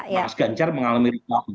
mas ganjar mengalami repot